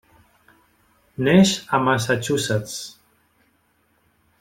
Neix a Massachusetts.